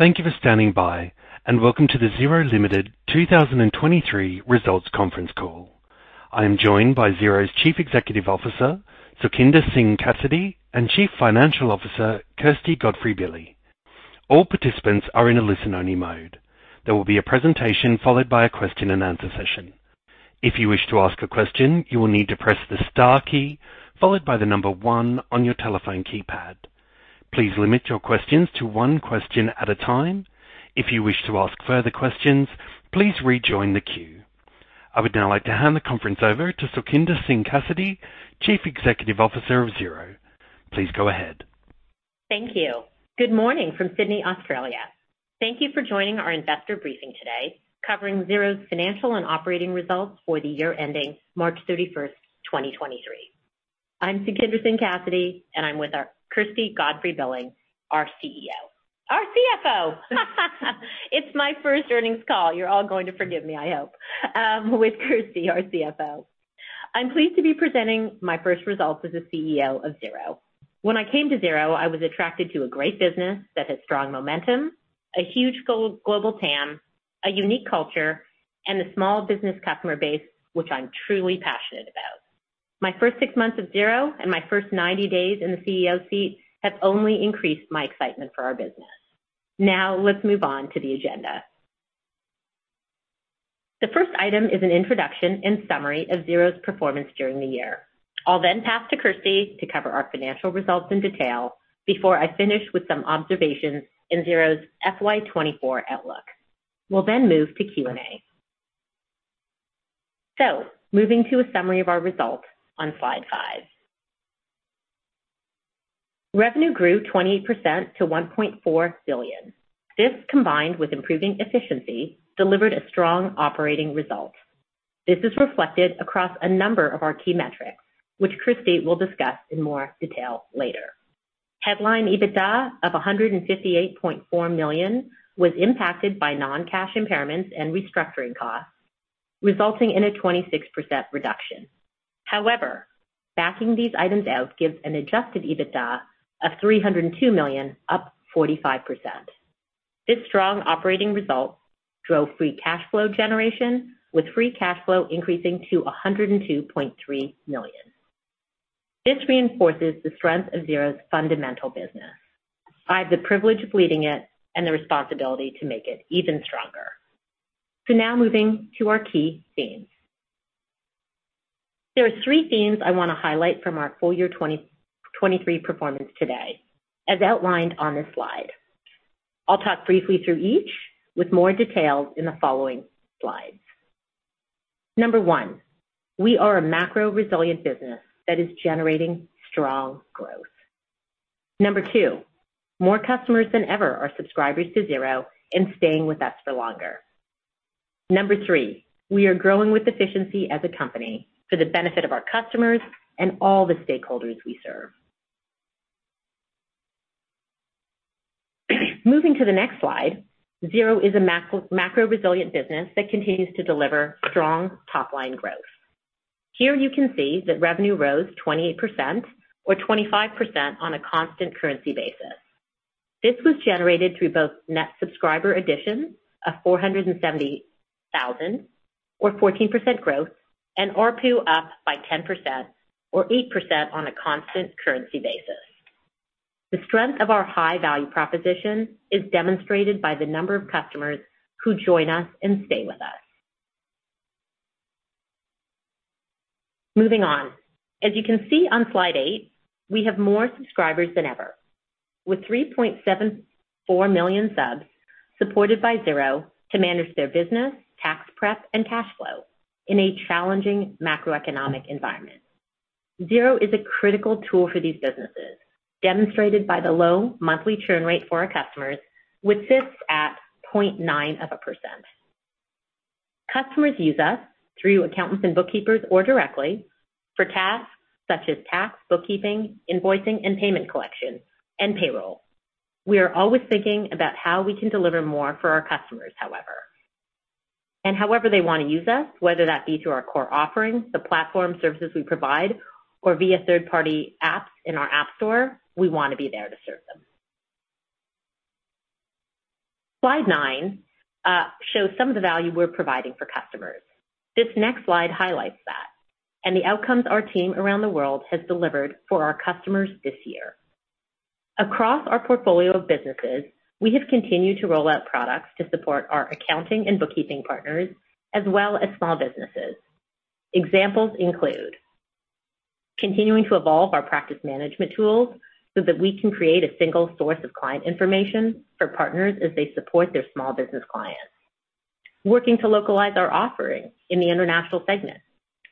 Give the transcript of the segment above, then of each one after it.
Thank you for standing by, and welcome to the Xero Limited 2023 Results Conference Call. I am joined by Xero's Chief Executive Officer, Sukhinder Singh Cassidy, and Chief Financial Officer, Kirsty Godfrey-Billy. All participants are in a listen-only mode. There will be a presentation followed by a question and answer session. If you wish to ask a question, you will need to press the star key followed by the number one on your telephone keypad. Please limit your questions to one question at a time. If you wish to ask further questions, please rejoin the queue. I would now like to hand the conference over to Sukhinder Singh Cassidy, Chief Executive Officer of Xero. Please go ahead. Thank you. Good morning from Sydney, Australia. Thank you for joining our investor briefing today, covering Xero's financial and operating results for the year ending March 31st, 2023. I'm Sukhinder Singh Cassidy, and I'm with Kirsty Godfrey-Billy, our CEO. Our CFO. It's my first earnings call. You're all going to forgive me, I hope, with Kirsty, our CFO. I'm pleased to be presenting my first results as the CEO of Xero. When I came to Xero, I was attracted to a great business that had strong momentum, a huge global TAM, a unique culture, and a small business customer base, which I'm truly passionate about. My first six months of Xero and my first 90 days in the CEO seat have only increased my excitement for our business. Let's move on to the agenda. The first item is an introduction and summary of Xero's performance during the year. I'll then pass to Kirsty to cover our financial results in detail before I finish with some observations in Xero's FY2024 outlook. We'll then move to Q&A. Moving to a summary of our results on slide five. Revenue grew 20% to 1.4 billion. This, combined with improving efficiency, delivered a strong operating result. This is reflected across a number of our key metrics, which Kirsty will discuss in more detail later. Headline EBITDA of 158.4 million was impacted by non-cash impairments and restructuring costs, resulting in a 26% reduction. However, backing these items out gives an adjusted EBITDA of 302 million, up 45%. This strong operating result drove free cash flow generation, with free cash flow increasing to 102.3 million. This reinforces the strength of Xero's fundamental business. I have the privilege of leading it and the responsibility to make it even stronger. Now moving to our key themes. There are three themes I want to highlight from our full year FY2023 performance today, as outlined on this slide. I'll talk briefly through each with more details in the following slides. Number one, we are a macro resilient business that is generating strong growth. Number two, more customers than ever are subscribers to Xero and staying with us for longer. Number three, we are growing with efficiency as a company for the benefit of our customers and all the stakeholders we serve. Moving to the next slide, Xero is a macro resilient business that continues to deliver strong top-line growth. Here you can see that revenue rose 20% or 25% on a constant currency basis. This was generated through both net subscriber additions of 470,000, or 14% growth, and ARPU up by 10%, or 8% on a constant currency basis. The strength of our high value proposition is demonstrated by the number of customers who join us and stay with us. Moving on. As you can see on slide 8, we have more subscribers than ever, with 3.74 million subs supported by Xero to manage their business, tax prep, and cash flow in a challenging macroeconomic environment. Xero is a critical tool for these businesses, demonstrated by the low monthly churn rate for our customers, which sits at 0.9%. Customers use us through accountants and bookkeepers or directly for tasks such as tax, bookkeeping, invoicing, and payment collection, and payroll. We are always thinking about how we can deliver more for our customers, however. However they wanna use us, whether that be through our core offerings, the platform services we provide, or via third-party apps in our App Store, we wanna be there to serve them. Slide nine shows some of the value we're providing for customers. This next slide highlights that and the outcomes our team around the world has delivered for our customers this year. Across our portfolio of businesses, we have continued to roll out products to support our accounting and bookkeeping partners, as well as small businesses. Examples include continuing to evolve our practice management tools so that we can create a single source of client information for partners as they support their small business clients. Working to localize our offerings in the international segment.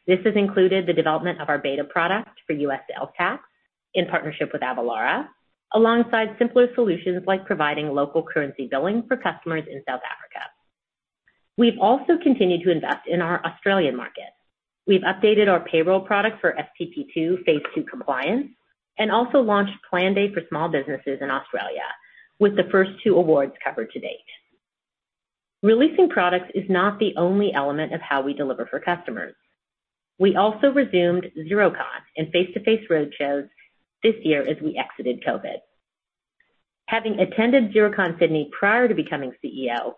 This has included the development of our beta product for US sales tax in partnership with Avalara, alongside simpler solutions like providing local currency billing for customers in South Africa. We've also continued to invest in our Australian market. We've updated our payroll product for STP 2, Phase 2 compliance, and also launched Planday for small businesses in Australia, with the first 2 awards covered to date. Releasing products is not the only element of how we deliver for customers. We also resumed Xerocon and face-to-face roadshows this year as we exited COVID. Having attended Xerocon Sydney prior to becoming CEO,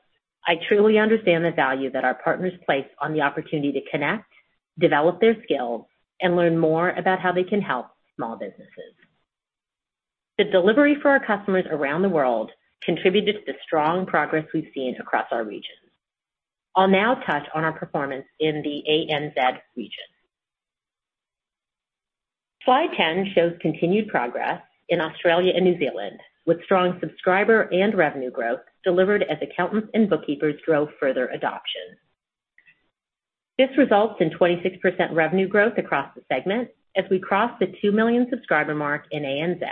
I truly understand the value that our partners place on the opportunity to connect, develop their skills, and learn more about how they can help small businesses. The delivery for our customers around the world contributed to the strong progress we've seen across our regions. I'll now touch on our performance in the ANZ region. Slide 10 shows continued progress in Australia and New Zealand, with strong subscriber and revenue growth delivered as accountants and bookkeepers drove further adoption. This results in 26% revenue growth across the segment as we crossed the 2 million subscriber mark in ANZ,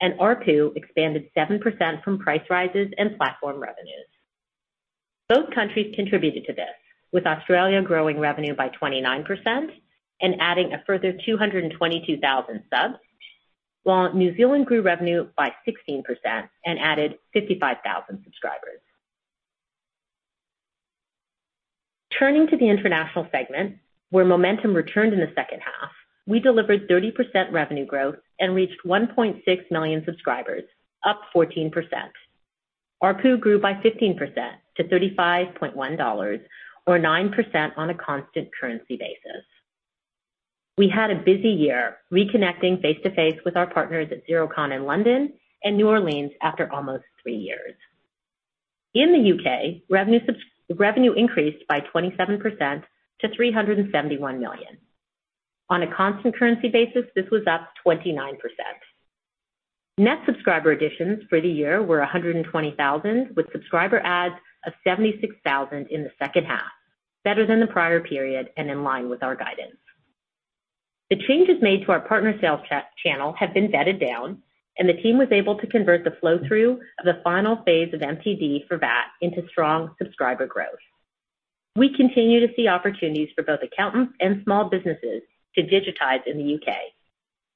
and ARPU expanded 7% from price rises and platform revenues. Both countries contributed to this, with Australia growing revenue by 29% and adding a further 222,000 subs, while New Zealand grew revenue by 16% and added 55,000 subscribers. Turning to the international segment, where momentum returned in the second half, we delivered 30% revenue growth and reached 1.6 million subscribers, up 14%. ARPU grew by 15% to 35.1 dollars or 9% on a constant currency basis. We had a busy year reconnecting face-to-face with our partners at Xerocon in London and New Orleans after almost three years. In the U.K., revenue increased by 27% to 371 million. On a constant currency basis, this was up 29%. Net subscriber additions for the year were 120,000, with subscriber adds of 76,000 in the second half, better than the prior period and in line with our guidance. The changes made to our partner sales channel have been bedded down, and the team was able to convert the flow-through of the final phase of MTD for VAT into strong subscriber growth. We continue to see opportunities for both accountants and small businesses to digitize in the U.K.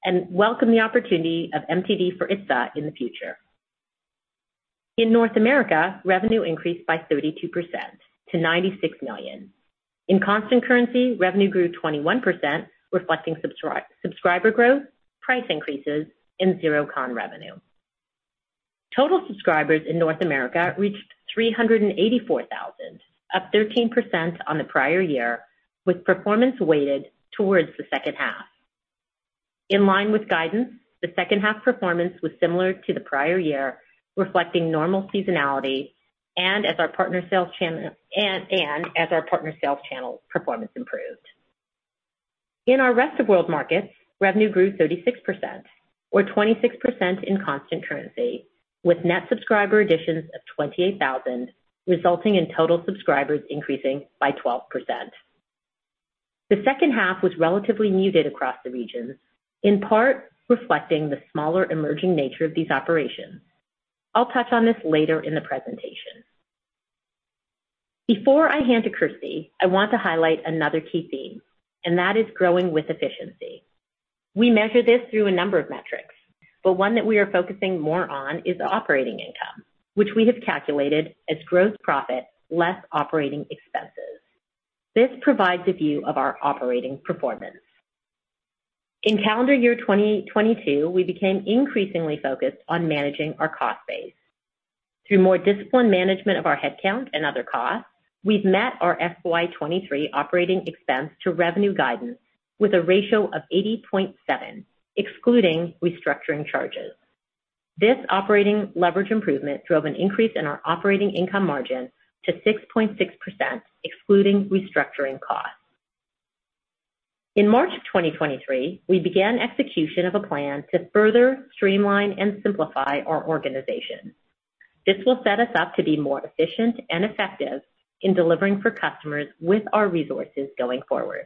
and welcome the opportunity of MTD for ITSA in the future. In North America, revenue increased by 32% to 96 million. In constant currency, revenue grew 21%, reflecting subscriber growth, price increases, and Xerocon revenue. Total subscribers in North America reached 384,000, up 13% on the prior year, with performance weighted towards the second half. In line with guidance, the second half performance was similar to the prior year, reflecting normal seasonality and as our partner sales channel performance improved. In our rest of world markets, revenue grew 36% or 26% in constant currency, with net subscriber additions of 28,000, resulting in total subscribers increasing by 12%. The second half was relatively muted across the regions, in part reflecting the smaller emerging nature of these operations. I'll touch on this later in the presentation. Before I hand to Kirsty, I want to highlight another key theme, and that is growing with efficiency. We measure this through a number of metrics, but one that we are focusing more on is operating income, which we have calculated as gross profit less operating expenses. This provides a view of our operating performance. In calendar year 2022, we became increasingly focused on managing our cost base. Through more disciplined management of our headcount and other costs, we've met our FY2023 operating expense to revenue guidance with a ratio of 80.7, excluding restructuring charges. This operating leverage improvement drove an increase in our operating income margin to 6.6%, excluding restructuring costs. In March of 2023, we began execution of a plan to further streamline and simplify our organization. This will set us up to be more efficient and effective in delivering for customers with our resources going forward.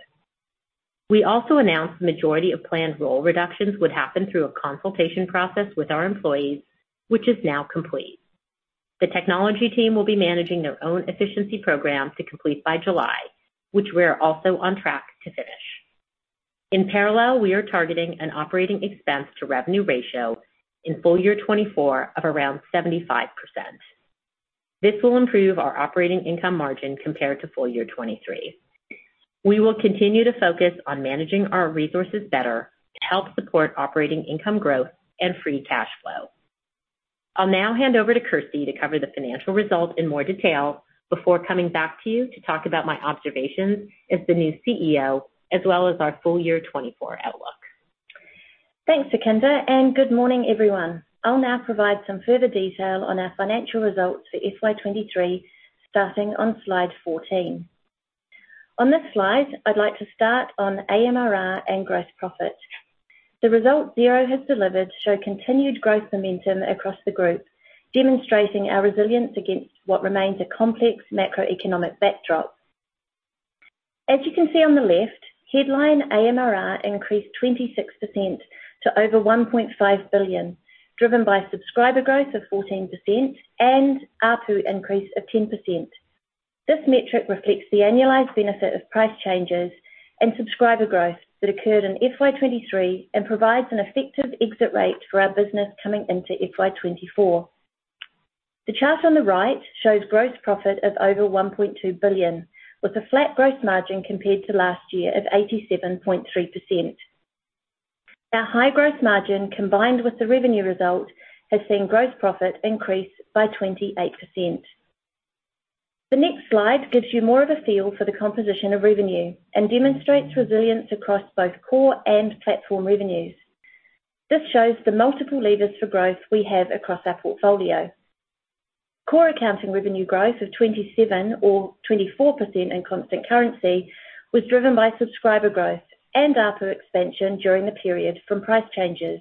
We also announced the majority of planned role reductions would happen through a consultation process with our employees, which is now complete. The technology team will be managing their own efficiency program to complete by July, which we're also on track to finish. In parallel, we are targeting an OpEx to revenue ratio in FY2024 of around 75%. This will improve our operating income margin compared to FY2023. We will continue to focus on managing our resources better to help support operating income growth and free cash flow. I'll now hand over to Kirsty to cover the financial results in more detail before coming back to you to talk about my observations as the new CEO, as well as our FY2024 outlook. Thanks, Sukhinder. Good morning, everyone. I'll now provide some further detail on our financial results for FY2023, starting on slide 14. On this slide, I'd like to start on AMRR and gross profit. The results Xero has delivered show continued growth momentum across the group, demonstrating our resilience against what remains a complex macroeconomic backdrop. As you can see on the left, headline AMRR increased 26% to over 1.5 billion, driven by subscriber growth of 14% and ARPU increase of 10%. This metric reflects the annualized benefit of price changes and subscriber growth that occurred in FY2023 and provides an effective exit rate for our business coming into FY2024. The chart on the right shows gross profit of over 1.2 billion, with a flat gross margin compared to last year of 87.3%. Our high gross margin, combined with the revenue result, has seen gross profit increase by 28%. The next slide gives you more of a feel for the composition of revenue and demonstrates resilience across both core and platform revenues. This shows the multiple levers for growth we have across our portfolio. Core accounting revenue growth of 27% or 24% in constant currency was driven by subscriber growth and ARPU expansion during the period from price changes.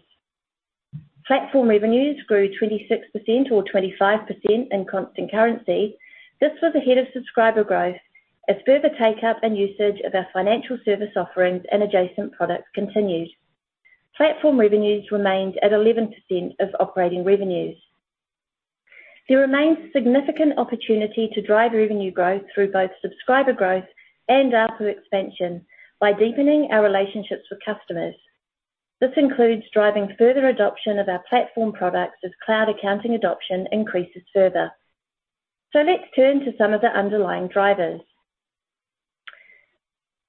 Platform revenues grew 26% or 25% in constant currency. This was ahead of subscriber growth as further take-up and usage of our financial service offerings and adjacent products continued. Platform revenues remained at 11% of operating revenues. There remains significant opportunity to drive revenue growth through both subscriber growth and ARPU expansion by deepening our relationships with customers. This includes driving further adoption of our platform products as cloud accounting adoption increases further. Let's turn to some of the underlying drivers.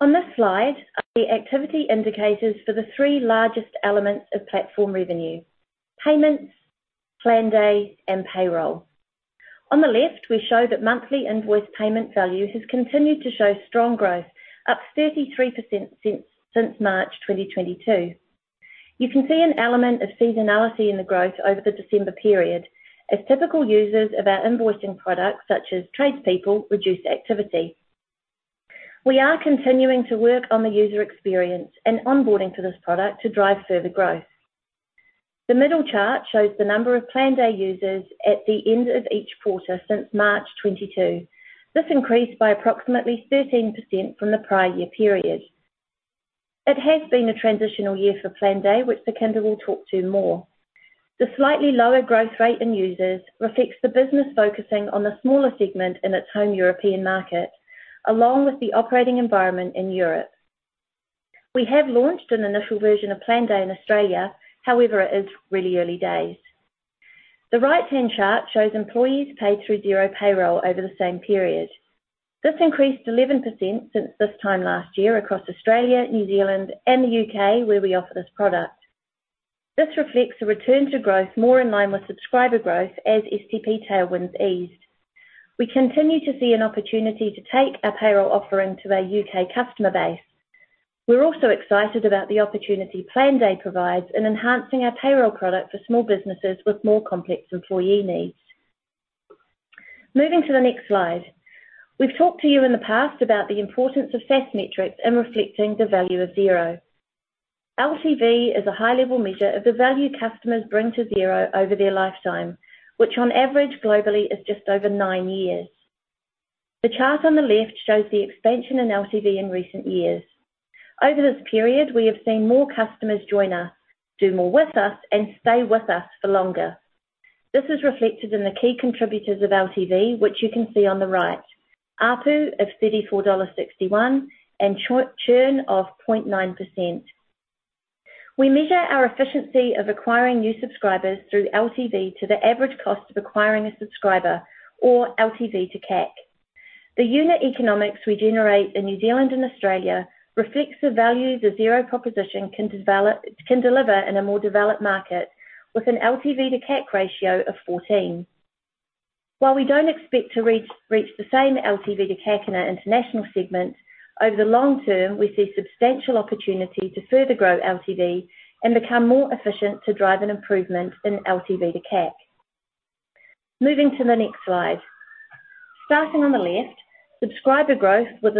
On this slide are the activity indicators for the three largest elements of platform revenue: payments, Planday, and payroll. On the left, we show that monthly invoice payment value has continued to show strong growth, up 33% since March 2022. You can see an element of seasonality in the growth over the December period as typical users of our invoicing products, such as tradespeople, reduce activity. We are continuing to work on the user experience and onboarding for this product to drive further growth. The middle chart shows the number of Planday users at the end of each quarter since March 2022. This increased by approximately 13% from the prior year period. It has been a transitional year for Planday, which Sukhinder will talk to more. The slightly lower growth rate in users reflects the business focusing on the smaller segment in its home European market, along with the operating environment in Europe. We have launched an initial version of Planday in Australia. However, it is really early days. The right-hand chart shows employees paid through Xero payroll over the same period. This increased 11% since this time last year across Australia, New Zealand, and the U.K., where we offer this product. This reflects a return to growth more in line with subscriber growth as STP tailwinds eased. We continue to see an opportunity to take our payroll offering to our U.K. customer base. We're also excited about the opportunity Planday provides in enhancing our payroll product for small businesses with more complex employee needs. Moving to the next slide. We've talked to you in the past about the importance of SaaS metrics in reflecting the value of Xero. LTV is a high-level measure of the value customers bring to Xero over their lifetime, which on average globally is just over nine years. The chart on the left shows the expansion in LTV in recent years. Over this period, we have seen more customers join us, do more with us, and stay with us for longer. This is reflected in the key contributors of LTV, which you can see on the right, ARPU of NZD 34.61 and churn of 0.9%. We measure our efficiency of acquiring new subscribers through LTV to the average cost of acquiring a subscriber or LTV to CAC. The unit economics we generate in New Zealand and Australia reflects the value the Xero proposition can deliver in a more developed market with an LTV to CAC ratio of 14. While we don't expect to reach the same LTV to CAC in our international segments, over the long term, we see substantial opportunity to further grow LTV and become more efficient to drive an improvement in LTV to CAC. Moving to the next slide. Starting on the left, subscriber growth was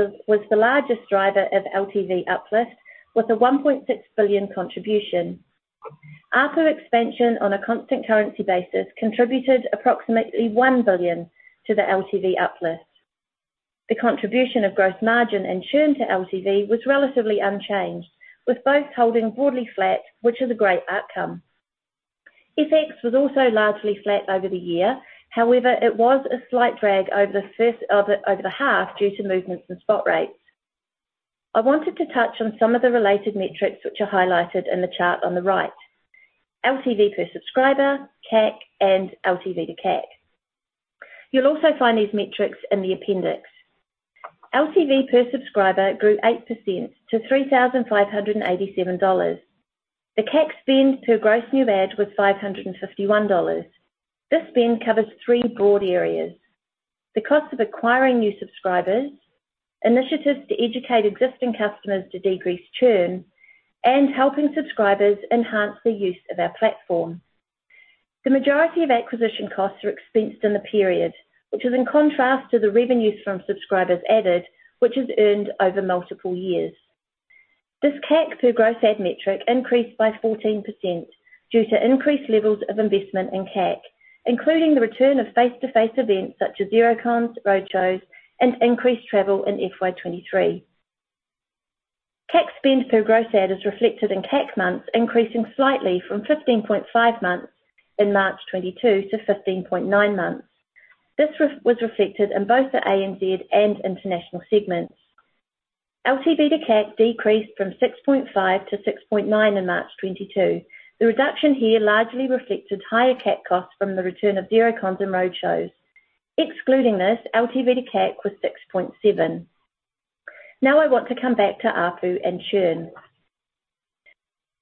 the largest driver of LTV uplift with a 1.6 billion contribution. ARPU expansion on a constant currency basis contributed approximately 1 billion to the LTV uplift. The contribution of gross margin and churn to LTV was relatively unchanged, with both holding broadly flat, which is a great outcome. FX was also largely flat over the year. However, it was a slight drag over the half due to movements in spot rates. I wanted to touch on some of the related metrics which are highlighted in the chart on the right: LTV per subscriber, CAC, and LTV to CAC. You'll also find these metrics in the appendix. LTV per subscriber grew 8% to 3,587 dollars. The CAC spend per gross new add was 551 dollars. This spend covers three broad areas: the cost of acquiring new subscribers, initiatives to educate existing customers to decrease churn, and helping subscribers enhance the use of our platform. The majority of acquisition costs are expensed in the period, which is in contrast to the revenues from subscribers added, which is earned over multiple years. This CAC per gross add metric increased by 14% due to increased levels of investment in CAC, including the return of face-to-face events such as Xerocons, roadshows, and increased travel in FY2023. Spend per gross add is reflected in CAC months, increasing slightly from 15.5 months in March 2022 to 15.9 months. This was reflected in both the ANZ and international segments. LTV to CAC decreased from 6.5 to 6.9 in March 2022. The reduction here largely reflected higher CAC costs from the return of Xerocons and roadshows. Excluding this, LTV to CAC was 6.7. I want to come back to ARPU and churn.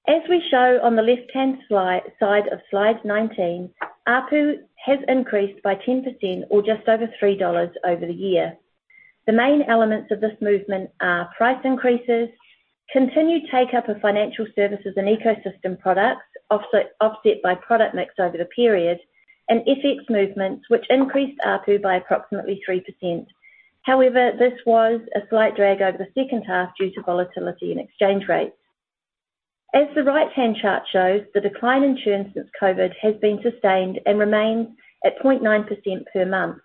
As we show on the left-hand side of slide 19, ARPU has increased by 10% or just over 3 dollars over the year. The main elements of this movement are price increases, continued take-up of financial services and ecosystem products offset by product mix over the period, and FX movements, which increased ARPU by approximately 3%. This was a slight drag over the second half due to volatility in exchange rates. As the right-hand chart shows, the decline in churn since COVID has been sustained and remains at 0.9% per month.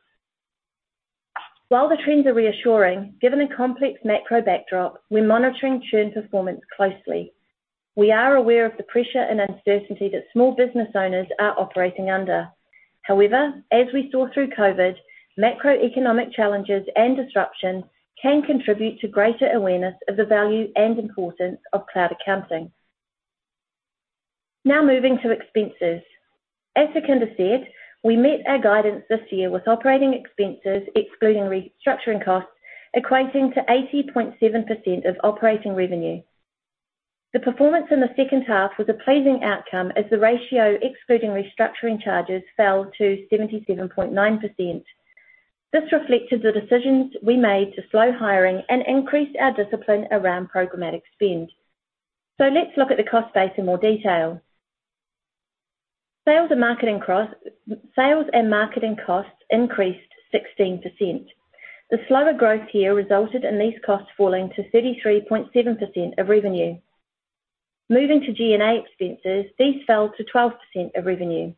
While the trends are reassuring, given a complex macro backdrop, we're monitoring churn performance closely. We are aware of the pressure and uncertainty that small business owners are operating under. As we saw through COVID, macroeconomic challenges and disruption can contribute to greater awareness of the value and importance of cloud accounting. Now moving to expenses. As Sukhinder said, we met our guidance this year with operating expenses, excluding restructuring costs, equating to 80.7% of operating revenue. The performance in the second half was a pleasing outcome as the ratio excluding restructuring charges fell to 77.9%. This reflected the decisions we made to slow hiring and increased our discipline around programmatic spend. Let's look at the cost base in more detail. Sales and marketing costs increased 16%. The slower growth here resulted in these costs falling to 33.7% of revenue. Moving to G&A expenses, these fell to 12% of revenue.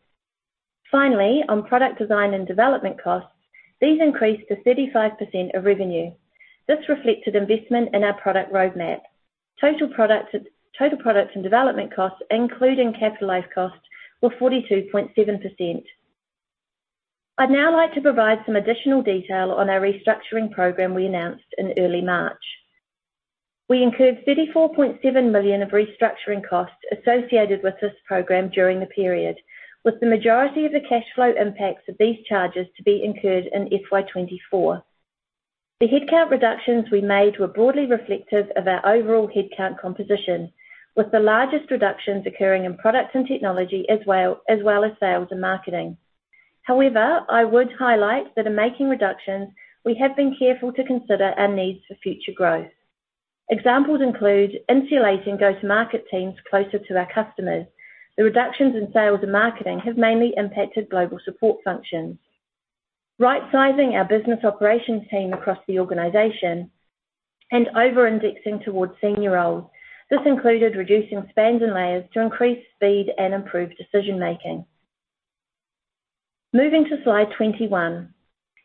Finally, on product design and development costs, these increased to 35% of revenue. This reflected investment in our product roadmap. Total products and development costs, including capitalized costs, were 42.7%. I'd now like to provide some additional detail on our restructuring program we announced in early March. We incurred 34.7 million of restructuring costs associated with this program during the period, with the majority of the cash flow impacts of these charges to be incurred in FY2024. The headcount reductions we made were broadly reflective of our overall headcount composition, with the largest reductions occurring in Products and Technology, as well as Sales and Marketing. I would highlight that in making reductions, we have been careful to consider our needs for future growth. Examples include insulating go-to-market teams closer to our customers. The reductions in Sales and Marketing have mainly impacted global support functions. Right-sizing our business operations team across the organization and over-indexing towards senior roles. This included reducing spans and layers to increase speed and improve decision-making. Moving to slide 21.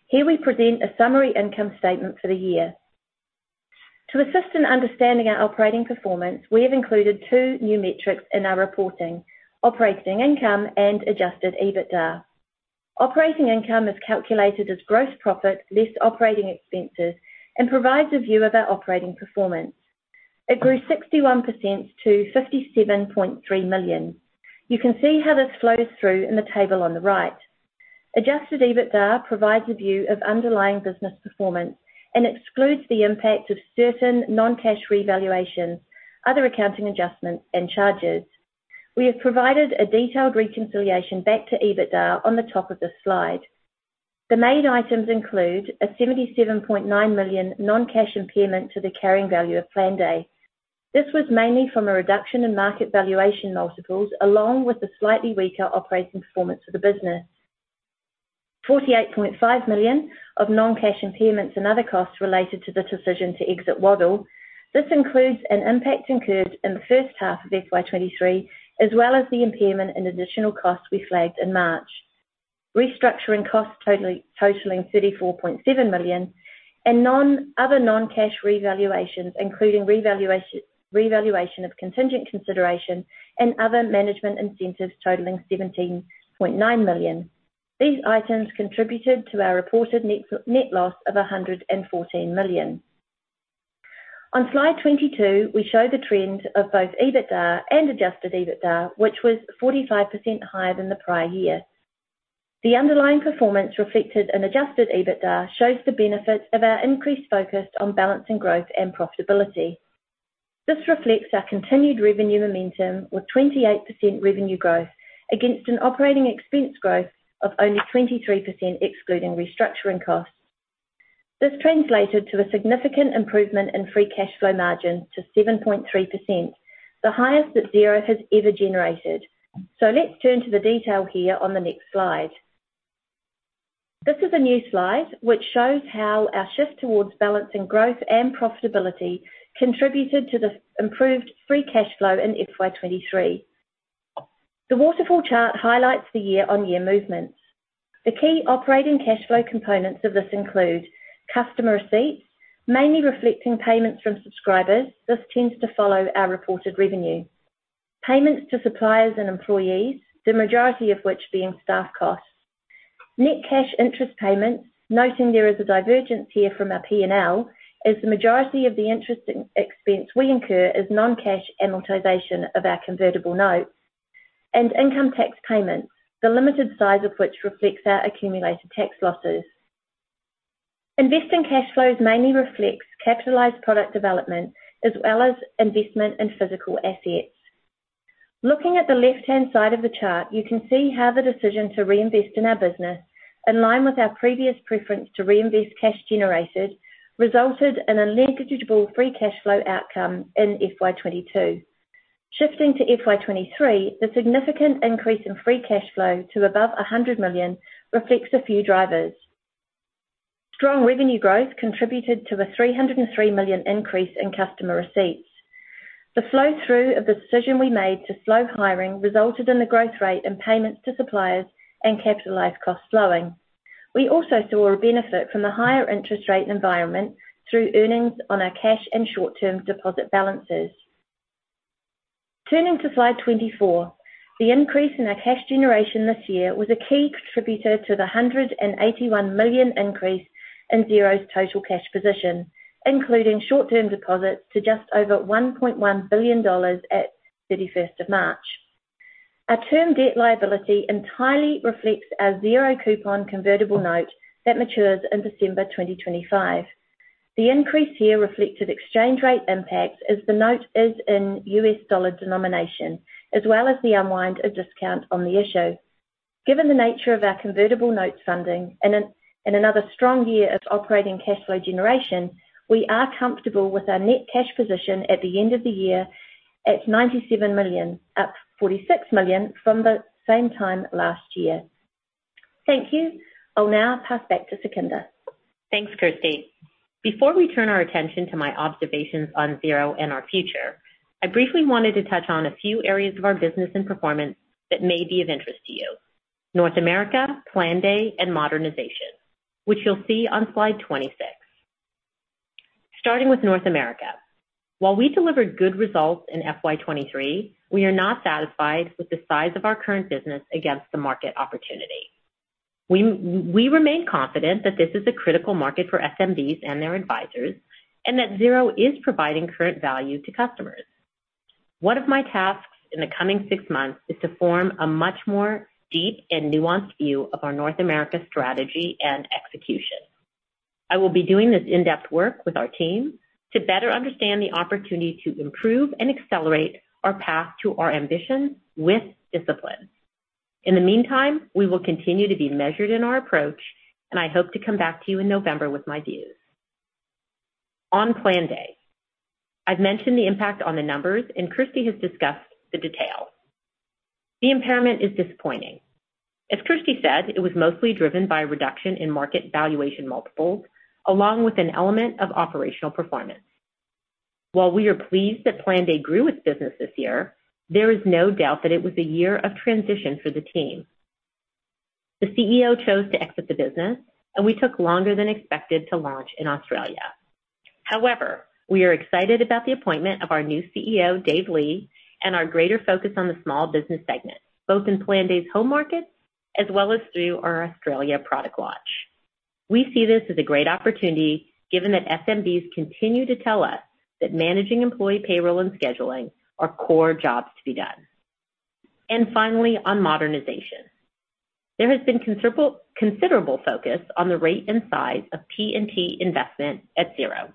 Here we present a summary income statement for the year. To assist in understanding our operating performance, we have included two new metrics in our reporting: operating income and adjusted EBITDA. Operating income is calculated as gross profit less operating expenses and provides a view of our operating performance. It grew 61% to $57.3 million. You can see how this flows through in the table on the right. Adjusted EBITDA provides a view of underlying business performance and excludes the impact of certain non-cash revaluations, other accounting adjustments, and charges. We have provided a detailed reconciliation back to EBITDA on the top of this slide. The main items include a $77.9 million non-cash impairment to the carrying value of Planday. This was mainly from a reduction in market valuation multiples, along with the slightly weaker operating performance of the business. 48.5 million of non-cash impairments and other costs related to the decision to exit Waddle. This includes an impact incurred in the first half of FY2023, as well as the impairment and additional costs we flagged in March. Restructuring costs totaling 34.7 million and other non-cash revaluations, including revaluation of contingent consideration and other management incentives totaling 17.9 million. These items contributed to our reported net loss of 114 million. On slide 22, we show the trend of both EBITDA and adjusted EBITDA, which was 45% higher than the prior year. The underlying performance reflected in adjusted EBITDA shows the benefits of our increased focus on balancing growth and profitability. This reflects our continued revenue momentum with 28% revenue growth against an operating expense growth of only 23%, excluding restructuring costs. This translated to a significant improvement in free cash flow margin to 7.3%, the highest that Xero has ever generated. Let's turn to the detail here on the next slide. This is a new slide which shows how our shift towards balancing growth and profitability contributed to the improved free cash flow in FY2023. The waterfall chart highlights the year-on-year movements. The key operating cash flow components of this include customer receipts, mainly reflecting payments from subscribers. This tends to follow our reported revenue. Payments to suppliers and employees, the majority of which being staff costs. Net cash interest payments, noting there is a divergence here from our P&L, as the majority of the interest in expense we incur is non-cash amortization of our convertible notes and income tax payments, the limited size of which reflects our accumulated tax losses. Investing cash flows mainly reflects capitalized product development as well as investment in physical assets. Looking at the left-hand side of the chart, you can see how the decision to reinvest in our business, in line with our previous preference to reinvest cash generated, resulted in a negligible free cash flow outcome in FY2022. Shifting to FY2023, the significant increase in free cash flow to above 100 million reflects a few drivers. Strong revenue growth contributed to the 303 million increase in customer receipts. The flow through of the decision we made to slow hiring resulted in the growth rate and payments to suppliers and capitalized costs slowing. We also saw a benefit from the higher interest rate environment through earnings on our cash and short-term deposit balances. Turning to slide 24, the increase in our cash generation this year was a key contributor to the 181 million increase in Xero's total cash position, including short-term deposits to just over 1.1 billion dollars at 31st of March. Our term debt liability entirely reflects our zero coupon convertible note that matures in December 2025. The increase here reflected exchange rate impacts as the note is in US dollar denomination, as well as the unwind of discount on the issue. Given the nature of our convertible notes funding and another strong year of operating cash flow generation, we are comfortable with our net cash position at the end of the year at 97 million, up 46 million from the same time last year. Thank you. I'll now pass back to Sukhinder. Thanks, Kirsty. Before we turn our attention to my observations on Xero and our future, I briefly wanted to touch on a few areas of our business and performance that may be of interest to you, North America, Planday, and modernization, which you'll see on slide 26. Starting with North America. While we delivered good results in FY2023, we are not satisfied with the size of our current business against the market opportunity. We remain confident that this is a critical market for SMBs and their advisors and that Xero is providing current value to customers. One of my tasks in the coming six months is to form a much more deep and nuanced view of our North America strategy and execution. I will be doing this in-depth work with our team to better understand the opportunity to improve and accelerate our path to our ambition with discipline. In the meantime, we will continue to be measured in our approach, and I hope to come back to you in November with my views. On Planday, I've mentioned the impact on the numbers, and Kirsty has discussed the details. The impairment is disappointing. As Kirsty said, it was mostly driven by a reduction in market valuation multiples, along with an element of operational performance. While we are pleased that Planday grew its business this year, there is no doubt that it was a year of transition for the team. The CEO chose to exit the business, and we took longer than expected to launch in Australia. However, we are excited about the appointment of our new CEO, Dave Lee, and our greater focus on the small business segment, both in Planday's home markets as well as through our Australia product launch. We see this as a great opportunity, given that SMBs continue to tell us that managing employee payroll and scheduling are core jobs to be done. Finally, on modernization. There has been considerable focus on the rate and size of P&T investment at Xero.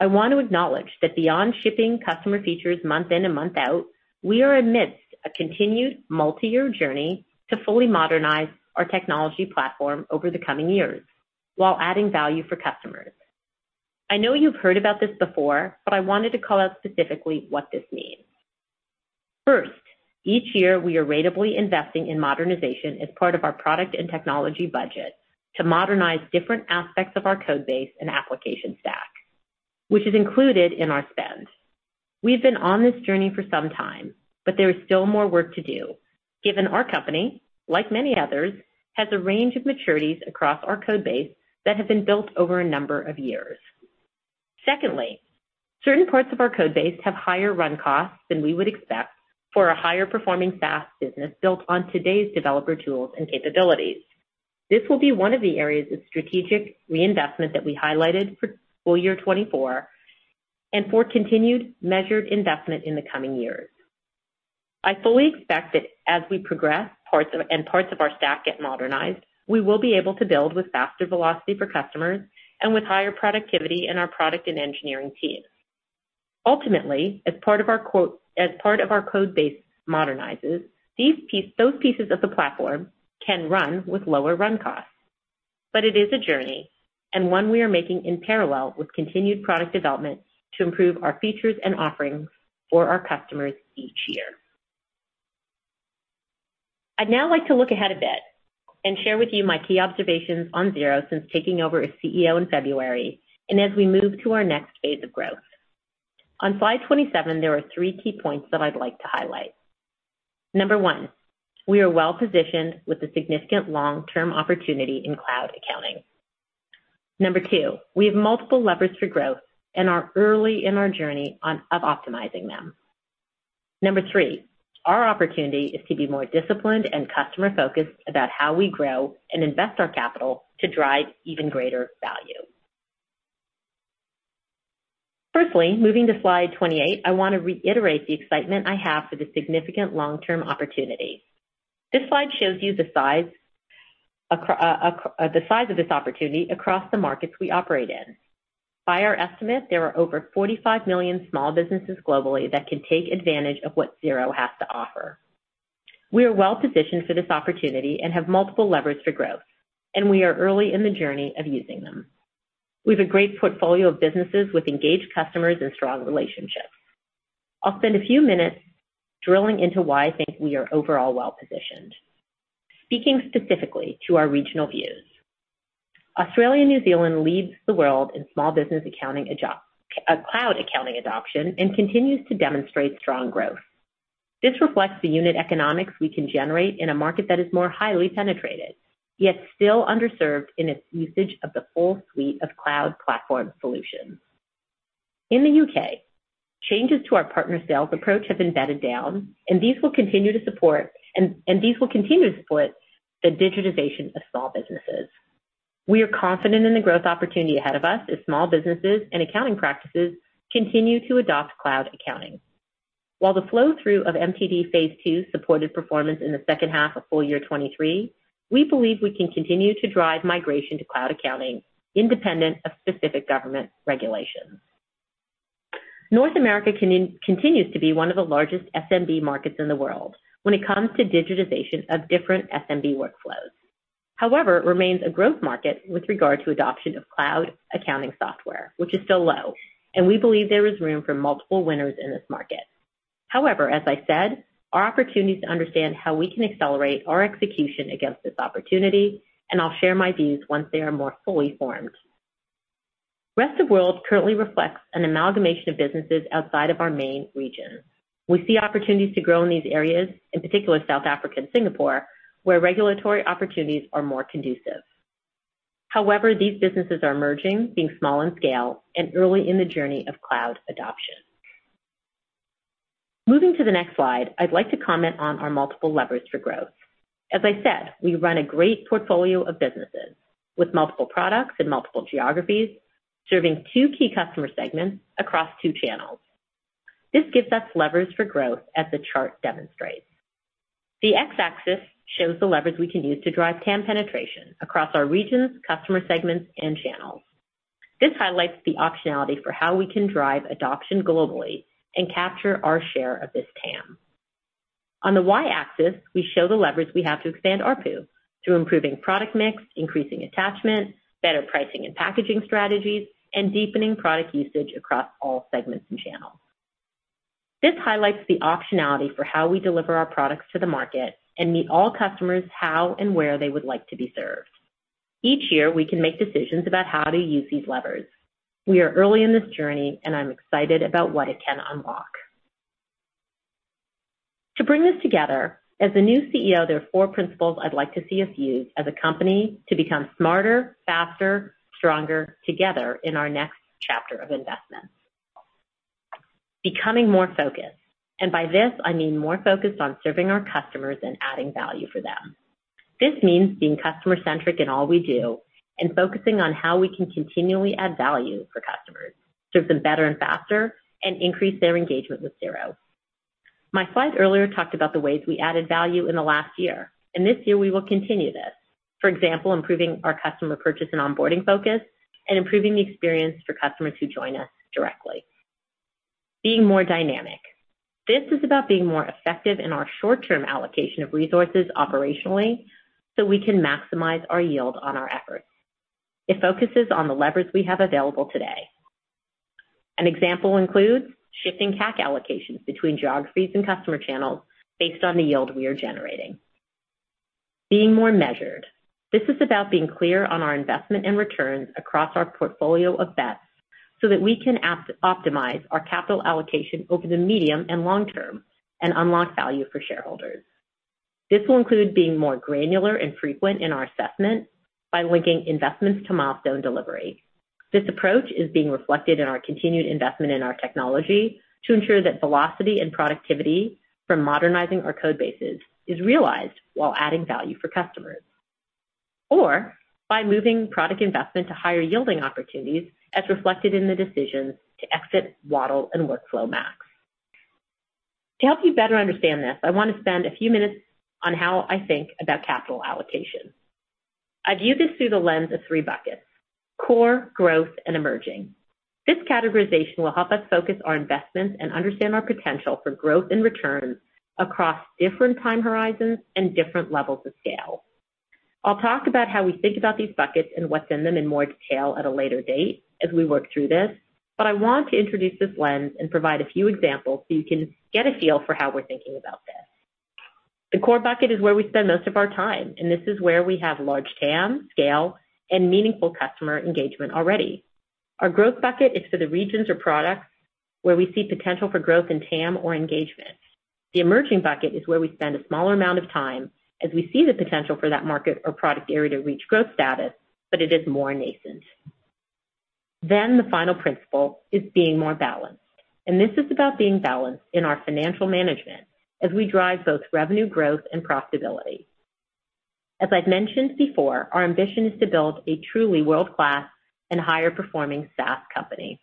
I want to acknowledge that beyond shipping customer features month in and month out, we are amidst a continued multi-year journey to fully modernize our technology platform over the coming years while adding value for customers. I know you've heard about this before, I wanted to call out specifically what this means. First, each year we are ratably investing in modernization as part of our product and technology budget to modernize different aspects of our code base and application stack, which is included in our spend. We've been on this journey for some time, but there is still more work to do, given our company, like many others, has a range of maturities across our code base that have been built over a number of years. Secondly, certain parts of our code base have higher run costs than we would expect for a higher performing SaaS business built on today's developer tools and capabilities. This will be one of the areas of strategic reinvestment that we highlighted for full year 2024 and for continued measured investment in the coming years. I fully expect that as we progress, and parts of our stack get modernized, we will be able to build with faster velocity for customers and with higher productivity in our product and engineering teams. Ultimately, as part of our code base modernizes, those pieces of the platform can run with lower run costs. It is a journey and one we are making in parallel with continued product development to improve our features and offerings for our customers each year. I'd now like to look ahead a bit and share with you my key observations on Xero since taking over as CEO in February and as we move to our next phase of growth. On slide 27, there are three key points that I'd like to highlight. One, we are well-positioned with a significant long-term opportunity in cloud accounting. Two, we have multiple levers for growth and are early in our journey on of optimizing them. Number three, our opportunity is to be more disciplined and customer-focused about how we grow and invest our capital to drive even greater value. Firstly, moving to slide 28, I want to reiterate the excitement I have for the significant long-term opportunity. This slide shows you the size of this opportunity across the markets we operate in. By our estimate, there are over 45 million small businesses globally that can take advantage of what Xero has to offer. We are well-positioned for this opportunity and have multiple levers for growth, and we are early in the journey of using them. We have a great portfolio of businesses with engaged customers and strong relationships. I'll spend a few minutes drilling into why I think we are overall well-positioned. Speaking specifically to our regional views, Australia/New Zealand leads the world in small business cloud accounting adoption and continues to demonstrate strong growth. This reflects the unit economics we can generate in a market that is more highly penetrated, yet still underserved in its usage of the full suite of cloud platform solutions. In the U.K., changes to our partner sales approach have embedded down, and these will continue to support the digitization of small businesses. We are confident in the growth opportunity ahead of us as small businesses and accounting practices continue to adopt cloud accounting. While the flow-through of MTD Phase 2 supported performance in the second half of FY2023, we believe we can continue to drive migration to cloud accounting independent of specific government regulations. North America continues to be one of the largest SMB markets in the world when it comes to digitization of different SMB workflows. It remains a growth market with regard to adoption of cloud accounting software, which is still low, and we believe there is room for multiple winners in this market. As I said, our opportunity is to understand how we can accelerate our execution against this opportunity, and I'll share my views once they are more fully formed. Rest of World currently reflects an amalgamation of businesses outside of our main region. We see opportunities to grow in these areas, in particular South Africa and Singapore, where regulatory opportunities are more conducive. These businesses are emerging, being small in scale and early in the journey of cloud adoption. Moving to the next slide, I'd like to comment on our multiple levers for growth. As I said, we run a great portfolio of businesses with multiple products in multiple geographies, serving two key customer segments across two channels. This gives us levers for growth, as the chart demonstrates. The X-axis shows the levers we can use to drive TAM penetration across our regions, customer segments, and channels. This highlights the optionality for how we can drive adoption globally and capture our share of this TAM. On the Y-axis, we show the leverage we have to expand ARPU through improving product mix, increasing attachment, better pricing and packaging strategies, and deepening product usage across all segments and channels. This highlights the optionality for how we deliver our products to the market and meet all customers how and where they would like to be served. Each year, we can make decisions about how to use these levers. We are early in this journey, and I'm excited about what it can unlock. To bring this together, as the new CEO, there are four principles I'd like to see us use as a company to become smarter, faster, stronger together in our next chapter of investment. Becoming more focused, and by this, I mean more focused on serving our customers and adding value for them. This means being customer-centric in all we do and focusing on how we can continually add value for customers, serve them better and faster, and increase their engagement with Xero. My slide earlier talked about the ways we added value in the last year. This year, we will continue this. For example, improving our customer purchase and onboarding focus and improving the experience for customers who join us directly. Being more dynamic. This is about being more effective in our short-term allocation of resources operationally, so we can maximize our yield on our efforts. It focuses on the levers we have available today. An example includes shifting CAC allocations between geographies and customer channels based on the yield we are generating. Being more measured. This is about being clear on our investment and returns across our portfolio of bets so that we can optimize our capital allocation over the medium and long term and unlock value for shareholders. This will include being more granular and frequent in our assessment by linking investments to milestone delivery. This approach is being reflected in our continued investment in our technology to ensure that velocity and productivity from modernizing our code bases is realized while adding value for customers. By moving product investment to higher-yielding opportunities as reflected in the decisions to exit Waddle and WorkflowMax. To help you better understand this, I want to spend a few minutes on how I think about capital allocation. I view this through the lens of three buckets: core, growth, and emerging. This categorization will help us focus our investments and understand our potential for growth and returns across different time horizons and different levels of scale. I'll talk about how we think about these buckets and what's in them in more detail at a later date as we work through this. I want to introduce this lens and provide a few examples so you can get a feel for how we're thinking about this. The core bucket is where we spend most of our time, and this is where we have large TAM, scale, and meaningful customer engagement already. Our growth bucket is for the regions or products where we see potential for growth in TAM or engagement. The emerging bucket is where we spend a smaller amount of time as we see the potential for that market or product area to reach growth status, but it is more nascent. The final principle is being more balanced. This is about being balanced in our financial management as we drive both revenue growth and profitability. As I've mentioned before, our ambition is to build a truly world-class and higher performing SaaS company.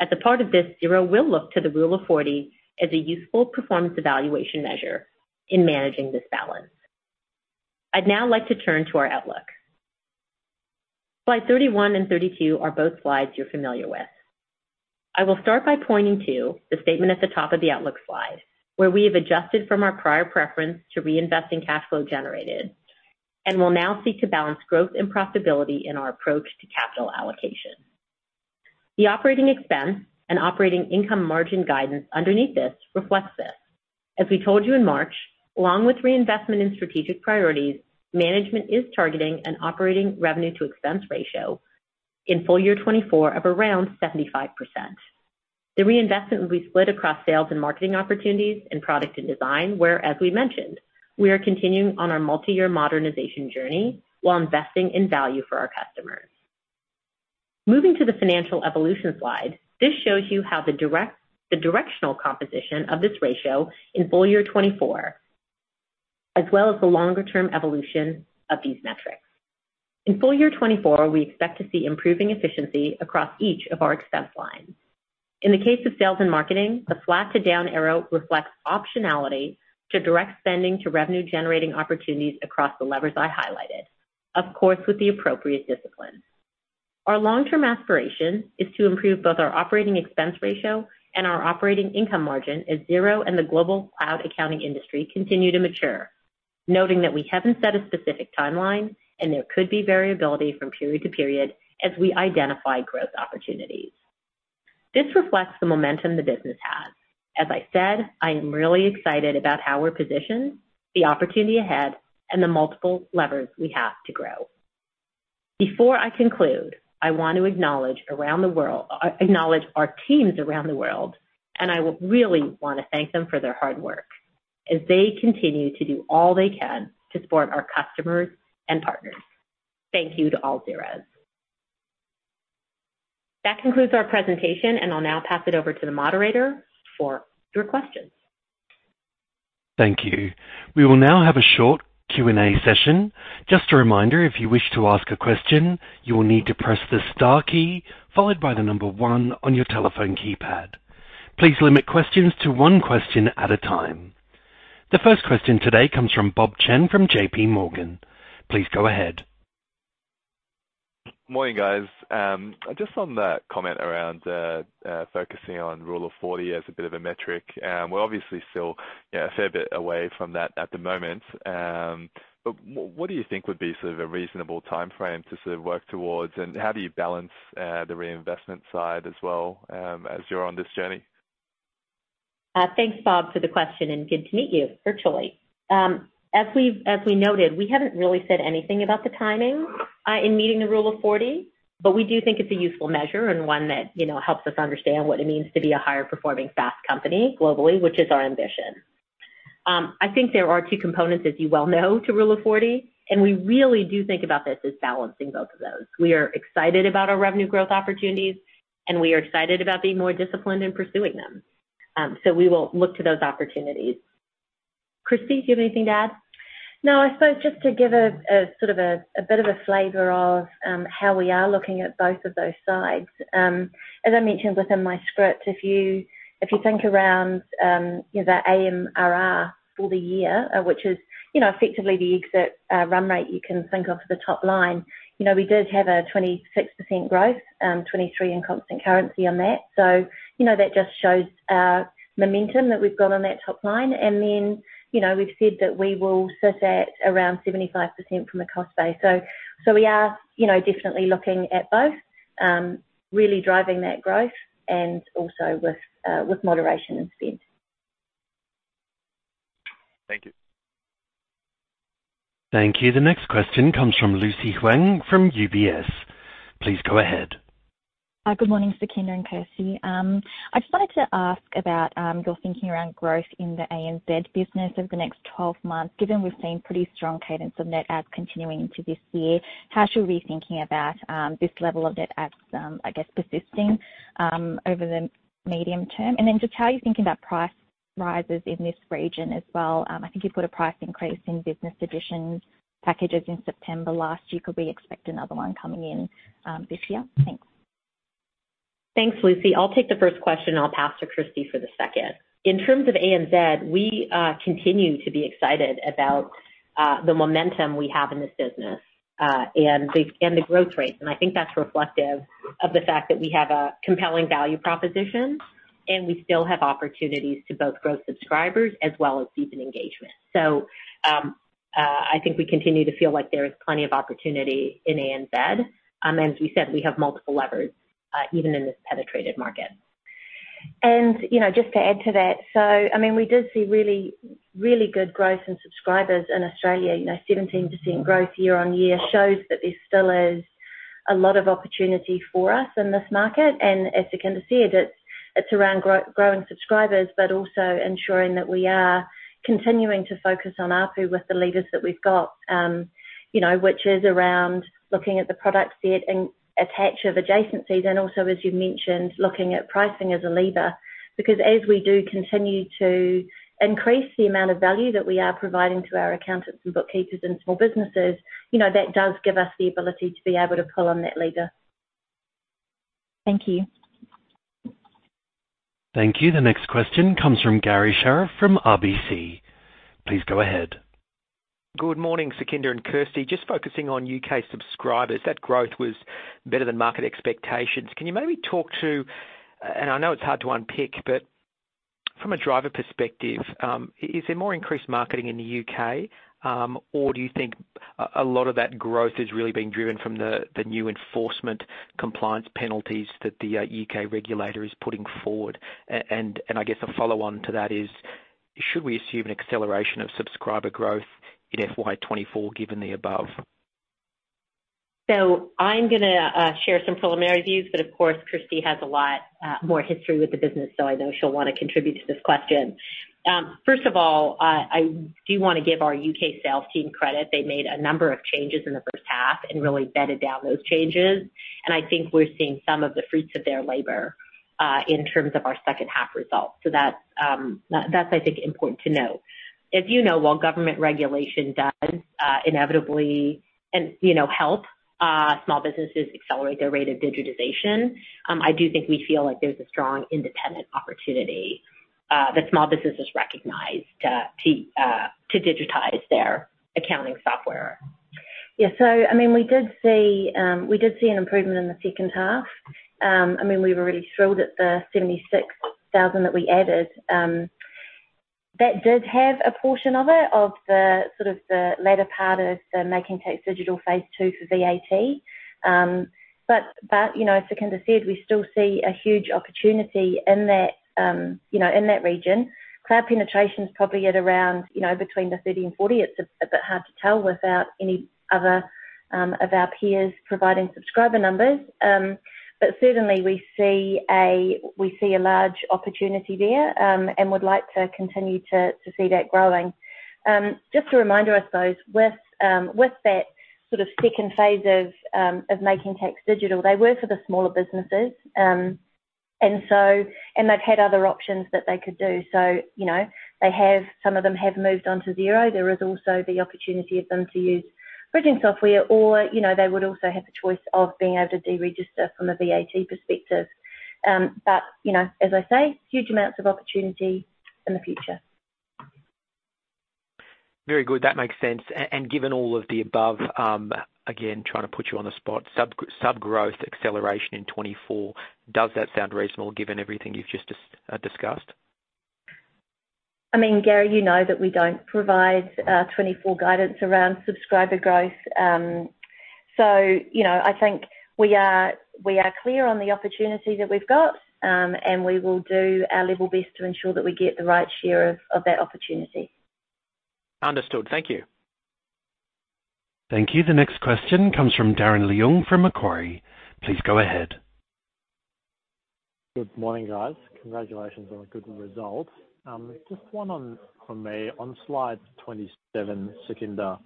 As a part of this, Xero will look to the Rule of 40 as a useful performance evaluation measure in managing this balance. I'd now like to turn to our outlook. Slide 31 and 32 are both slides you're familiar with. I will start by pointing to the statement at the top of the outlook slide, where we have adjusted from our prior preference to reinvesting cash flow generated, and will now seek to balance growth and profitability in our approach to capital allocation. The operating expense and operating income margin guidance underneath this reflects this. As we told you in March, along with reinvestment in strategic priorities, management is targeting an operating revenue to expense ratio in full year 2024 of around 75%. The reinvestment will be split across sales and marketing opportunities and product and design, where, as we mentioned, we are continuing on our multi-year modernization journey while investing in value for our customers. Moving to the financial evolution slide, this shows you how the directional composition of this ratio in full year 2024, as well as the longer term evolution of these metrics. In full year 2024, we expect to see improving efficiency across each of our expense lines. In the case of sales and marketing, the flat to down arrow reflects optionality to direct spending to revenue generating opportunities across the levers I highlighted. Of course, with the appropriate discipline. Our long-term aspiration is to improve both our operating expense ratio and our operating income margin as Xero and the global cloud accounting industry continue to mature. Noting that we haven't set a specific timeline and there could be variability from period to period as we identify growth opportunities. This reflects the momentum the business has. As I said, I am really excited about how we're positioned, the opportunity ahead, and the multiple levers we have to grow. Before I conclude, I want to acknowledge our teams around the world. I really want to thank them for their hard work as they continue to do all they can to support our customers and partners. Thank you to all Xeros. That concludes our presentation. I'll now pass it over to the moderator for your questions. Thank you. We will now have a short Q&A session. Just a reminder, if you wish to ask a question, you will need to press the star key followed by the number one on your telephone keypad. Please limit questions to one question at a time. The first question today comes from Bob Chen from JPMorgan. Please go ahead. Morning, guys. Just on that comment around focusing on Rule of 40 as a bit of a metric. We're obviously still, you know, a fair bit away from that at the moment. What do you think would be sort of a reasonable timeframe to sort of work towards? How do you balance the reinvestment side as well as you're on this journey? Thanks, Bob, for the question. Good to meet you virtually. As we noted, we haven't really said anything about the timing in meeting the Rule of 40, but we do think it's a useful measure and one that, you know, helps us understand what it means to be a higher performing fast company globally, which is our ambition. I think there are two components, as you well know, to Rule of 40. We really do think about this as balancing both of those. We are excited about our revenue growth opportunities. We are excited about being more disciplined in pursuing them. We will look to those opportunities. Kirsty, do you have anything to add? No, I suppose just to give a sort of a bit of a flavor of how we are looking at both of those sides. As I mentioned within my script, if you think around, you know, the AMRR for the year, which is, you know, effectively the exit run rate you can think of for the top line. You know, we did have a 26% growth, 23% in constant currency on that. That just shows our momentum that we've got on that top line. Then, you know, we've said that we will sit at around 75% from a cost base. We are, you know, definitely looking at both, really driving that growth and also with moderation in spend. Thank you. Thank you. The next question comes from Lucy Huang from UBS. Please go ahead. Good morning, Sukhinder and Kirsty. I just wanted to ask about your thinking around growth in the ANZ business over the next 12 months. Given we've seen pretty strong cadence of net adds continuing into this year, how should we be thinking about this level of net adds, I guess, persisting over the medium term? Just how are you thinking about price rises in this region as well? I think you put a price increase in Business Edition packages in September last year. Could we expect another one coming in this year? Thanks. Thanks, Lucy. I'll take the first question, and I'll pass to Kirsty for the second. In terms of ANZ, we continue to be excited about the momentum we have in this business. The growth rates. I think that's reflective of the fact that we have a compelling value proposition, and we still have opportunities to both grow subscribers as well as deepen engagement. I think we continue to feel like there is plenty of opportunity in ANZ. As we said, we have multiple levers, even in this penetrated market. You know, just to add to that, I mean, we did see really, really good growth in subscribers in Australia. You know, 17% growth year-on-year shows that there still is a lot of opportunity for us in this market. As Sukhinder said, it's around growing subscribers, but also ensuring that we are continuing to focus on ARPU with the levers that we've got, you know, which is around looking at the product set and attach of adjacencies, and also, as you mentioned, looking at pricing as a lever. Because as we do continue to increase the amount of value that we are providing to our accountants and bookkeepers and small businesses, you know, that does give us the ability to be able to pull on that lever. Thank you. Thank you. The next question comes from Garry Sherriff from RBC. Please go ahead. Good morning, Sukhinder and Kirsty. Just focusing on U.K. subscribers, that growth was better than market expectations. Can you maybe talk to, and I know it's hard to unpick, but from a driver perspective, is there more increased marketing in the U.K.? Or do you think a lot of that growth is really being driven from the new enforcement compliance penalties that the U.K. regulator is putting forward? I guess a follow on to that is, should we assume an acceleration of subscriber growth in FY2024, given the above? I'm gonna share some preliminary views, but of course, Kirsty has a lot more history with the business, so I know she'll wanna contribute to this question. First of all, I do wanna give our U.K. sales team credit. They made a number of changes in the first half and really bedded down those changes. I think we're seeing some of the fruits of their labor in terms of our second half results. That's, I think, important to note. As you know, while government regulation does inevitably and, you know, help small businesses accelerate their rate of digitization, I do think we feel like there's a strong independent opportunity that small businesses recognize to digitize their accounting software. Yeah. I mean, we did see an improvement in the second half. I mean, we were really thrilled at the 76,000 that we added. That did have a portion of it of the, sort of the latter part of the Making Tax Digital Phase 2 for VAT. But, you know, as Sukhinder said, we still see a huge opportunity in that, you know, in that region. Cloud penetration's probably at around, you know, between the 30 and 40. It's a bit hard to tell without any other, of our peers providing subscriber numbers. But certainly we see a large opportunity there, and would like to continue to see that growing. Just a reminder I suppose with that sort of second phase of Making Tax Digital, they were for the smaller businesses. They've had other options that they could do. You know, some of them have moved on to Xero. There is also the opportunity of them to use bridging software or, you know, they would also have the choice of being able to deregister from a VAT perspective. You know, as I say, huge amounts of opportunity in the future. Very good. That makes sense. Given all of the above, again, trying to put you on the spot. Subgrowth acceleration in 2024, does that sound reasonable given everything you've just discussed? I mean, Gary, you know that we don't provide FY2024 guidance around subscriber growth. You know, I think we are clear on the opportunity that we've got, and we will do our level best to ensure that we get the right share of that opportunity. Understood. Thank you. Thank you. The next question comes from Darren Leung from Macquarie. Please go ahead. Good morning, guys. Congratulations on a good result. Just one on from me. On slide 27, Sukhinder,